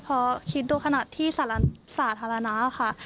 พอคิดดูขนาดที่สาธารณะค่ะ